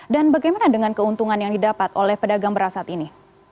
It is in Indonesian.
dan bagaimana dengan keuntungan yang didapat oleh pedagang beras saat ini